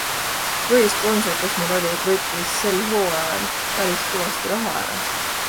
Põhisponsor, kes meil oli, võttis sel hooajal päris kõvasti raha ära.